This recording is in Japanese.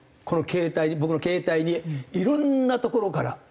この携帯に僕の携帯にいろんなところから。